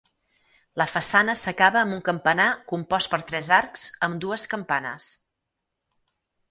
La façana s'acaba amb un campanar compost per tres arcs amb dues campanes.